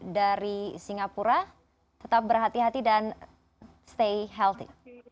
dari singapura tetap berhati hati dan stay healthy